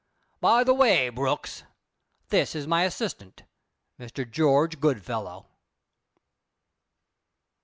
"By the way, Brooks, this is my assistant, Mr. George Goodfellow."